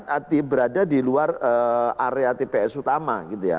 yang disediakan berada di luar area tps utama